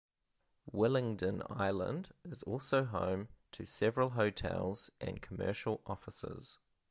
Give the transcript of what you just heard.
Willingdon Island is also home to several hotels and commercial offices.